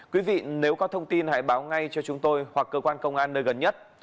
quý vị nếu có thông tin hãy báo ngay cho chúng tôi hoặc cơ quan công an nơi gần nhất